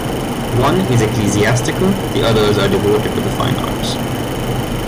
One is ecclesiastical, the others are devoted to the fine arts.